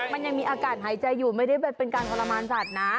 มันยังมีอากาศหายใจอยู่ไม่ได้เป็นการทรมานสัตว์นะ